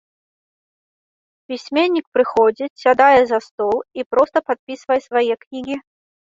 Пісьменнік прыходзіць, сядае за стол і проста падпісвае свае кнігі.